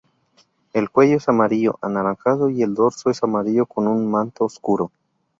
El cuello es amarillo anaranjado y el dorso es amarillo con un manto oscuro.